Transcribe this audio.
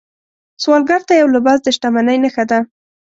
سوالګر ته یو لباس د شتمنۍ نښه ده